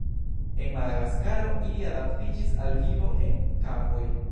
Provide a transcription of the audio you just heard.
En Madagaskaro ili adaptiĝis al vivo en kavoj.